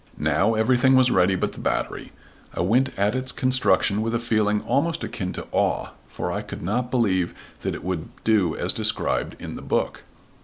Now everything was ready but the battery. I went at its construction with a feeling almost akin to awe, for I could not believe that it would do as described in the book.